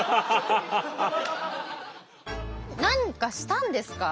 何かしたんですか？